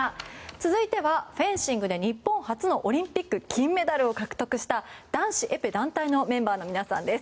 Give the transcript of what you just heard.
続いてはフェンシングで日本初のオリンピック金メダルを獲得した男子エペ団体のメンバーの皆さんです。